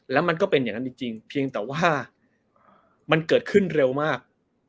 แล้วมันก็เป็นอย่างนั้นจริงเพียงแต่ว่ามันเกิดขึ้นเร็วมาก